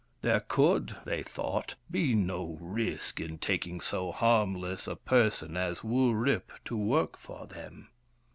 There could, they thought, be no risk in taking so harmless a person as Wurip to work for them.